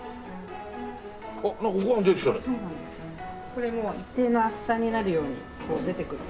これも一定の厚さになるように出てくる。